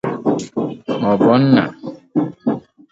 maọbụ "Nna